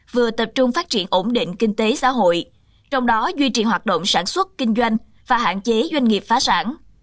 vừa tập trung phát triển ổn định kinh tế xã hội trong đó duy trì hoạt động sản xuất kinh doanh và hạn chế doanh nghiệp phá sản